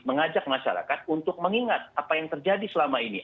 mengajak masyarakat untuk mengingat apa yang terjadi selama ini